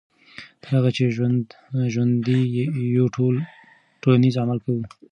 تر هغه چې ژوندي یو ټولنیز عمل کوو.